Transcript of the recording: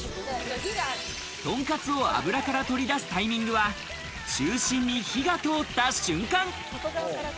とんかつを油から取り出すタイミングは中心に火が通った瞬間。